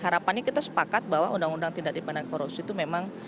harapannya kita sepakat bahwa undang undang tindak pidana korupsi itu memang